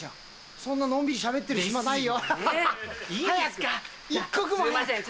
そんなのんびりしゃべってる暇ないよ。